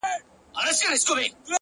هره هڅه د شخصیت انعکاس دی،